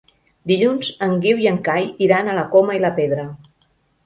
Dilluns en Guiu i en Cai iran a la Coma i la Pedra.